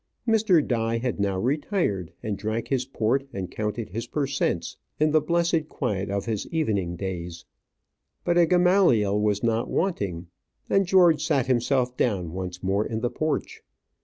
Mr. Die had now retired, and drank his port and counted his per cents. in the blessed quiet of his evening days; but a Gamaliel was not wanting, and George sat himself down once more in the porch.